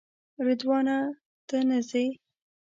رضوانه ته نه ځې؟